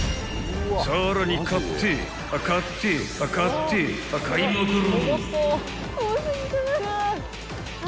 ［買って買って買って買いまくる］